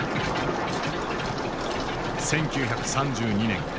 １９３２年。